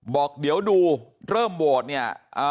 บอกเดี๋ยวดูเริ่มโหวตเนี่ย